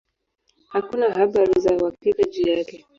Hakuna habari za uhakika juu yake.